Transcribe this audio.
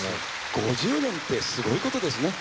５０年ってすごいことですね。